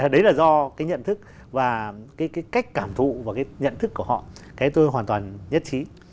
đấy là do cái nhận thức và cái cách cảm thụ và cái nhận thức của họ cái tôi hoàn toàn nhất trí